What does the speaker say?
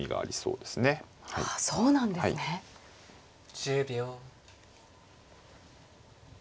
１０秒。